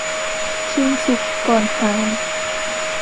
ชิงสุกก่อนห่าม